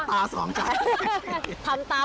มันกรีดมาเลยสองชั้นรับรองจริงไหม